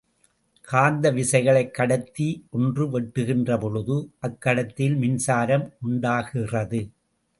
காந்த விசைகளைக் கடத்தி ஒன்று வெட்டுகின்ற பொழுது, அக்கடத்தியில் மின்சாரம் உண்டாகிறது.